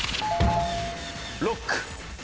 ロック。